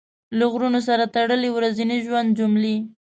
د غرونو سره تړلې ورځني ژوند جملې